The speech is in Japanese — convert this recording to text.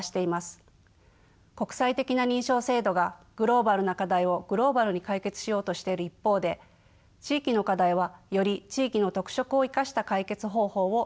国際的な認証制度がグローバルな課題をグローバルに解決しようとしている一方で地域の課題はより地域の特色を生かした解決方法を模索することが可能です。